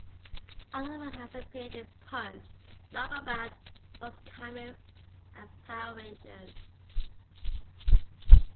Other work has appeared in "Punch", "Knockabout", "Fox Comics" and "Power Rangers".